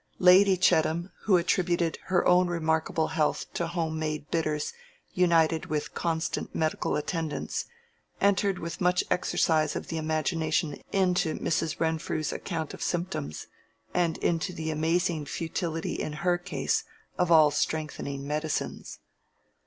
Lady Chettam, who attributed her own remarkable health to home made bitters united with constant medical attendance, entered with much exercise of the imagination into Mrs. Renfrew's account of symptoms, and into the amazing futility in her case of all strengthening medicines.